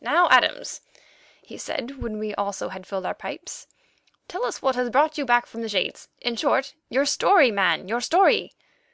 "Now, Adams," he said when we also had filled our pipes, "tell us what has brought you back from the Shades. In short, your story, man, your story."